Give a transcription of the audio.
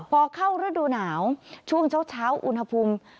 พอเข้าฤดูหนาวช่วงเช้าอุณหภูมิ